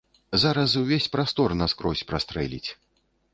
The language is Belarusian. Зараз увесь прастор наскрозь прастрэліць.